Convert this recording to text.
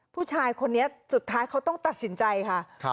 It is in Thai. ผู้ชายคนนี้สุดท้ายเขาต้องตัดสินใจค่ะ